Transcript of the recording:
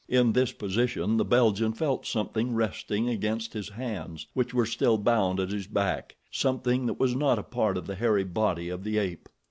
In this position the Belgian felt something resting against his hands, which were still bound at his back—something that was not a part of the hairy body of the ape.